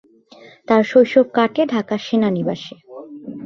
তার শৈশব কাটে ঢাকার সেনানিবাসে।